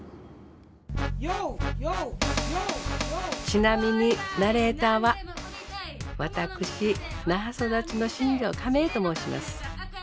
ちなみにナレーターは私那覇育ちの新城カメと申します。